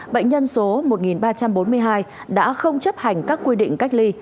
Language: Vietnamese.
bệnh nhân số một ba trăm bốn mươi hai đã không chấp hành các quy định cách ly